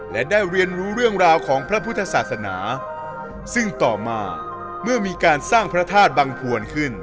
และได้เรียนรู้เรื่องราวของพระพุทธศาสนาซึ่งต่อมาเมื่อมีการสร้างพระธาตุบังพวนขึ้น